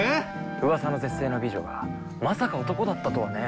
うわさの絶世の美女がまさか男だったとはね。